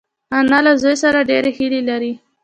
انا له زوی سره ډېرې هیلې لري